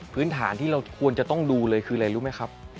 พื้นฐานที่เราควรจะต้องดูเลยคืออะไรรู้ไหมครับ